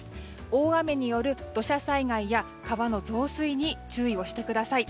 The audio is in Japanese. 大雨による土砂災害や川の増水に注意をしてください。